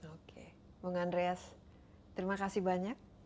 oke bung andreas terima kasih banyak